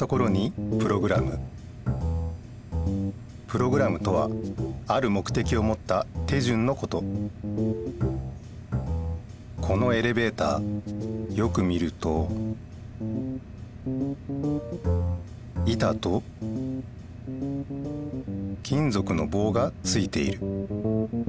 プログラムとはある目てきをもった手順のことこのエレベーターよく見ると板と金ぞくのぼうがついている。